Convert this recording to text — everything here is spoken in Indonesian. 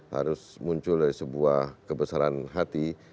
harus muncul dari sebuah kebesaran hati